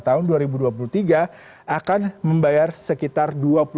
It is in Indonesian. yang akan berangkat haji pada tahun dua ribu dua puluh tiga akan membayar sekitar dua puluh tiga lima